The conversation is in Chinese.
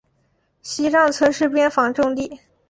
西让村是边防重地。